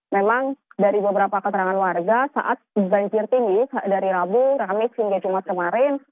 memang dari beberapa keterangan warga saat banjir tini dari rabu rames hingga jumat kemarin